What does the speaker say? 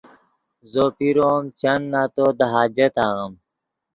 زو پیرو ام چند نتو دے حاجت آغیم